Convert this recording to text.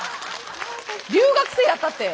留学生やったて。